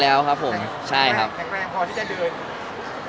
แล้วถ่ายละครมันก็๘๙เดือนอะไรอย่างนี้